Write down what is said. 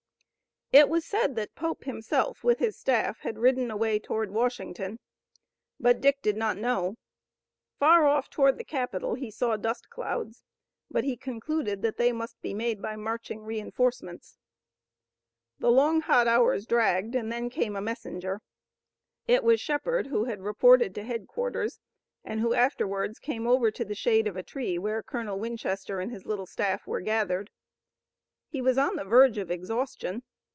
It was said that Pope himself with his staff had ridden away toward Washington, but Dick did not know. Far off toward the capital he saw dust clouds, but he concluded that they must be made by marching reinforcements. The long hot hours dragged and then came a messenger. It was Shepard who had reported to headquarters and who afterwards came over to the shade of a tree where Colonel Winchester and his little staff were gathered. He was on the verge of exhaustion.